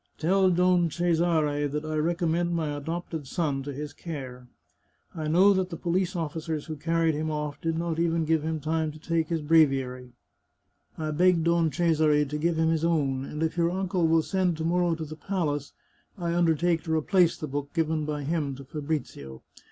" Tell Don Cesare that I recommend my adopted son to his care. I know that the police officers who carried him off did not even give him time to take his breviary; I beg Don Cesare to give him his own, and if your uncle will send to morrow to the palace, I undertake to replace the book given by him to Fabrizio.